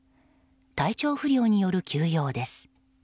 体調不良による休養です。